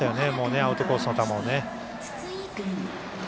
アウトコースの球をね。